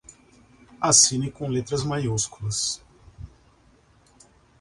Assine com letras maiúsculas